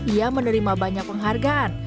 ia menerima banyak penghargaan